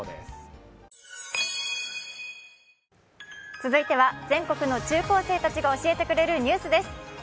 続いては全国の中高生たちが教えてくれるニュースです。